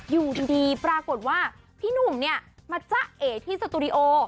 อยู่ดีปรากฏว่าพี่หนุ่มเนี่ยมาจ๊ะเอ๋ที่สตูดิโอ